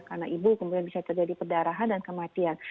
karena ibu kemudian bisa terjadi pedarahan dan kematian